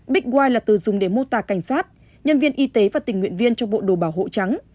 big wi là từ dùng để mô tả cảnh sát nhân viên y tế và tình nguyện viên trong bộ đồ bảo hộ trắng